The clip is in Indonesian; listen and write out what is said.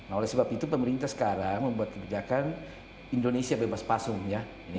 oleh sebab itu pemerintah sekarang membuat kebijakan indonesia bebas pasung ya